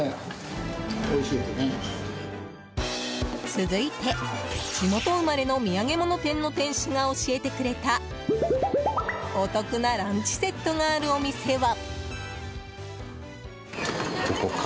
続いて、地元生まれの土産物店の店主が教えてくれたお得なランチセットがあるお店は。